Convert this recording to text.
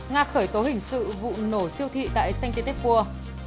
nga khởi tố hình sự vụ nổ siêu thị tại cntecur